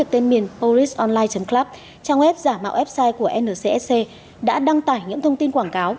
tên miền borisonline club trang web giả mạo website của nccc đã đăng tải những thông tin quảng cáo